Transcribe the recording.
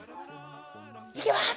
いきます！